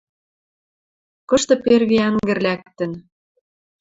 Кышты перви ӓнгӹр лӓктӹн